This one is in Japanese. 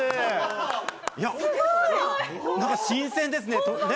なんか新鮮ですね。